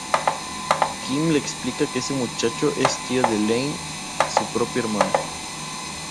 Kim le explica que ese muchacho es tío de Lane, su propio hermano.